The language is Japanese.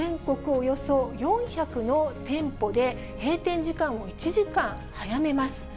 およそ４００の店舗で閉店時間を１時間早めます。